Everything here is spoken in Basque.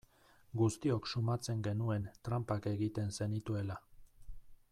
Guztiok susmatzen genuen tranpak egiten zenituela.